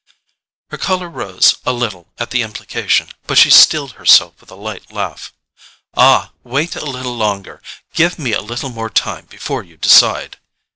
Her colour rose a little at the implication, but she steeled herself with a light laugh. "Ah, wait a little longer—give me a little more time before you decide!"